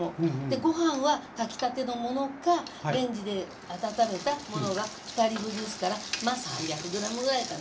ご飯は炊きたてのものかレンジで温めたものが２人分ですからまあ３００ｇぐらいかな。